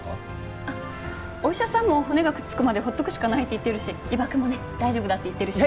お医者さんも骨がくっつくまで放っておくしかないって言ってるし伊庭くんもね大丈夫だって言ってるし。